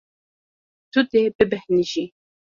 Tu dê bibêhnijî.